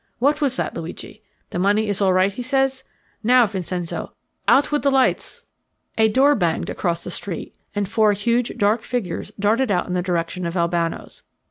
What was that, Luigi? The money is all right, he says? Now, Vincenzo, out with the lights!" A door banged open across the street, and four huge dark figures darted out in the direction of Albano's.